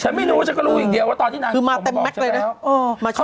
ฉันไม่รู้ฉันก็รู้อย่างเดียวว่าตอนนี้นางคงบอกฉันแล้ว